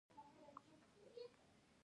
آیا دوی په اټومي انرژۍ کار نه کوي؟